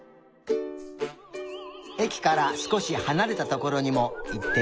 えきからすこしはなれたところにもいってみたよ。